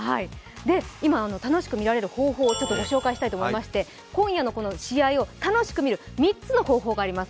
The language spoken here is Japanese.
今、楽しく見られる方法をご紹介したいと思いまして、今夜の試合を楽しく見る３つの方法があります。